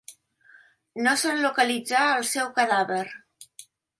No se'n localitzà el seu cadàver.